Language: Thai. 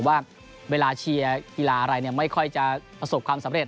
ว่าเวลาเชียร์กีฬาอะไรไม่ค่อยจะประสบความสำเร็